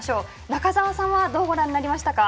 中澤さんはどうご覧になりましたか。